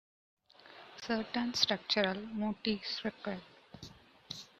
Certain structural motifs recur.